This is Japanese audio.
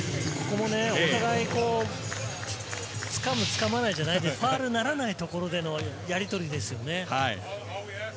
お互い掴む、掴まないじゃない、ファウルにならないところでのやりとりですよね。